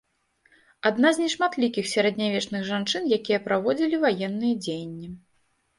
Адна з нешматлікіх сярэднявечных жанчын, якія праводзілі ваенныя дзеянні.